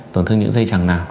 tổn thương những dây chẳng nào